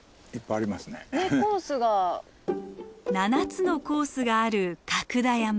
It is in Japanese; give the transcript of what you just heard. ７つのコースがある角田山。